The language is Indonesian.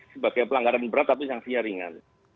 sebagai pelanggaran berat tapi sanksinya ringan